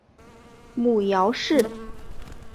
母姚氏。